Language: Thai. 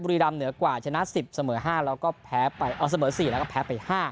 บุรีรำเหนือกว่าชนะ๑๐เสมอ๔แล้วก็แพ้ไป๕